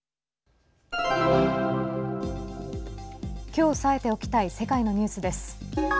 きょう押さえておきたい世界のニュースです。